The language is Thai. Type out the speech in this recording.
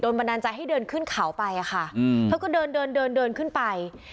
บันดาลใจให้เดินขึ้นเขาไปอะค่ะเธอก็เดินเดินเดินเดินขึ้นไป